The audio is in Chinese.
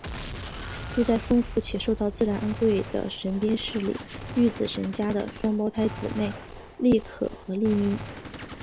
住在丰富且受到自然恩惠的神滨市里御子神家的双胞胎姊妹莉可和莉咪。